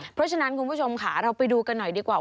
เพราะฉะนั้นคุณผู้ชมค่ะเราไปดูกันหน่อยดีกว่า